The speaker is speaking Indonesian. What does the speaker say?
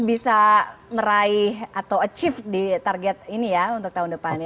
bisa meraih atau achieve di target ini ya untuk tahun depannya